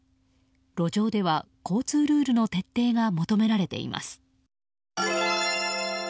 路上では、交通ルールの徹底が求められています。